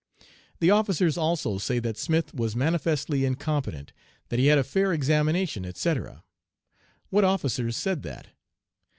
"'The officers also say that Smith was manifestly incompetent, that he had a fair examination,' etc. What officers said that?